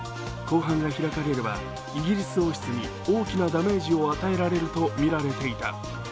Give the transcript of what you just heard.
公判が開かれれば、イギリス王室に大きなダメージを与えられるとみられていた。